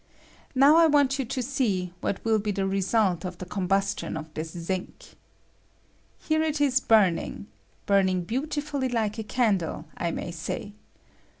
Now I want you to see what will be the result of the combustion of this zinc. Here it is burning — burning beautifully like a candle, I may say.